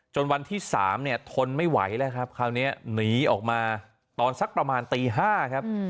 วันที่๓เนี่ยทนไม่ไหวแล้วครับคราวนี้หนีออกมาตอนสักประมาณตี๕ครับ